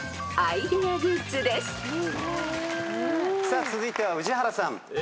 さあ続いては宇治原さん。